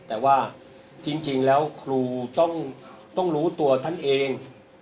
แต่ว่าจริงแล้วครูต้องรู้ตัวท่านเอง